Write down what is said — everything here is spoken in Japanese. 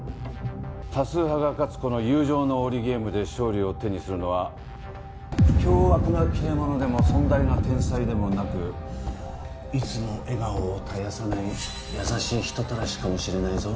多数派が勝つこの友情の檻ゲームで勝利を手にするのは凶悪な切れ者でも尊大な天才でもなくいつも笑顔を絶やさない優しい人たらしかもしれないぞ。